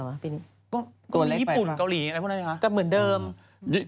ก็มีญี่ปุ่นเกาหลีอะไรพวกนั้นเนี่ยคะ